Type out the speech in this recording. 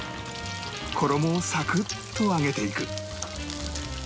衣をサクッと揚げていく